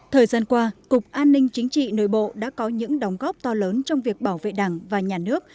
thời gian qua cục an ninh chính trị nội bộ đã có những đóng góp to lớn trong việc bảo vệ đảng và nhà nước